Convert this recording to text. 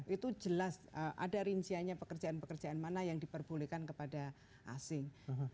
itu jelas ada rinciannya pekerjaan pekerjaan mana yang diperbolehkan kepada asing